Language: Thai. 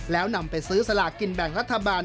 แล้วนำไปซื้อสลากินแบ่งรัฐบาล